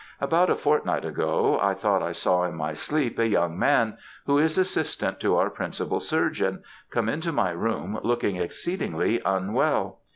About a fortnight ago I thought I saw in my sleep, a young man, who is assistant to our principal surgeon, come into my room, looking exceedingly unwell.